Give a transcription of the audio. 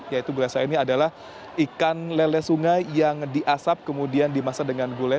yaitu gula saya ini adalah ikan lele sungai yang diasap kemudian dimasak dengan gulai